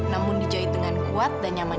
namun dijahit dengan kuat dan nyaman